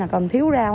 còn thiếu rau